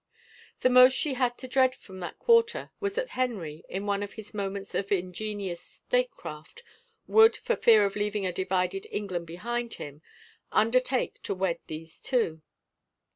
The most she had to dread from that quarter was that Henry, in one of his moments of ingenious statecraft, would, for fear of leaving a divided England behind him, undertake to wed these two.